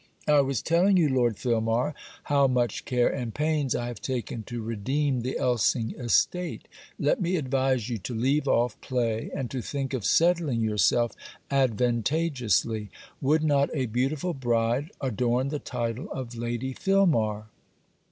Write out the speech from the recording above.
'I was telling you, Lord Filmar, how much care and pains I have taken to redeem the Elsing estate. Let me advise you to leave off play, and to think of settling yourself advantageously. Would not a beautiful bride adorn the title of Lady Filmar?'